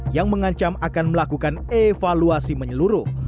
yang mengancam akan melakukan evaluasi menyeluruh